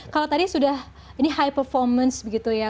kalau tadi sudah ini high performance begitu ya